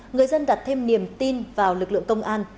người dân đặt thêm niềm tin vào lực lượng công an